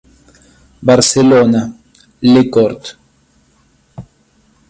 Barcelona, Les Corts.